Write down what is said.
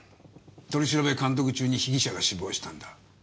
取り調べ監督中に被疑者が死亡したんだ。